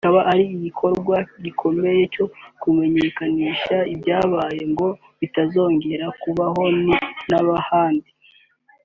bikaba ari igikoresho gikomeye cyo kumenyekanisha ibyabaye ngo bitazongera kubaho n’ahandi